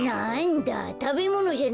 たべものじゃないんだ。